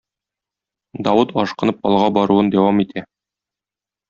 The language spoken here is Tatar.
Давыт ашкынып алга баруын дәвам итә.